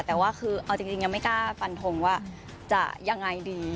แต่ว่าคือเอาจริงยังไม่กล้าฟันทงว่าจะยังไงดี